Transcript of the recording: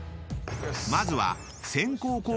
［まずは］